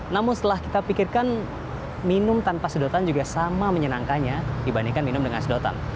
namun setelah kita pikirkan minum tanpa sedotan juga sama menyenangkannya dibandingkan minum dengan sedotan